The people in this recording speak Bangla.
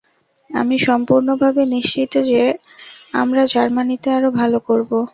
আমি সম্পূর্ণভাবে নিশ্চিন্ত যে, আমরা জার্মানীতে আরও ভাল করব।